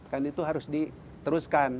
kan itu harus diteruskan